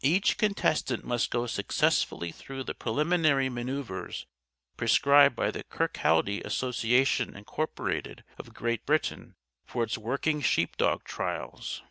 "'_Each contestant must go successfully through the preliminary maneuvers prescribed by the Kirkaldie Association, Inc., of Great Britain, for its Working Sheepdog Trials.